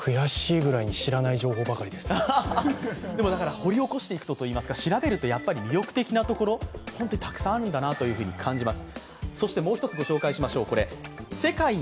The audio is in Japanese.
掘り起こしていくとといいますか、調べると魅力的なところ、本当にたくさんあるんだなと感じます。